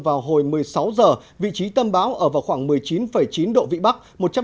vào hồi một mươi sáu giờ vị trí tâm bão ở vào khoảng một mươi chín chín độ vĩ bắc